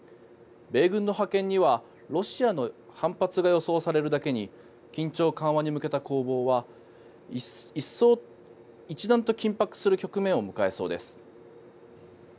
米軍の派遣にはロシアの反発が予想されるだけに緊張緩和に向けた攻防は一段と緊迫する局面を迎えそうです。